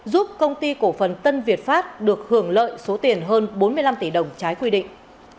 giúp công ty cổ phần tân việt pháp được hưởng lợi số tiền hơn bốn mươi năm tỷ đồng trái quy định